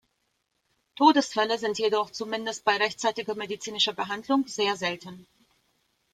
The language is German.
Todesfälle sind jedoch zumindest bei rechtzeitiger medizinischer Behandlung sehr selten.